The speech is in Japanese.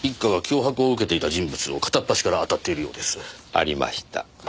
ありました。